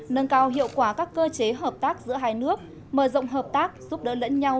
nâng cao hiệu quả các cơ chế hợp tác giữa hai nước mở rộng hợp tác giúp đỡ lẫn nhau